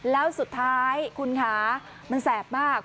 แล้วสุดท้ายคุณคะมันแสบมาก